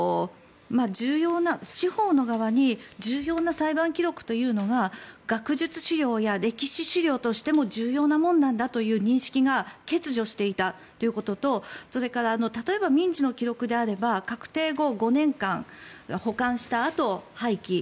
司法の側に重要な裁判記録というのが学術資料や歴史資料としても重要なものなんだという認識が欠如していたということと例えば民事の記録であれば確定後５年間保管したあと廃棄。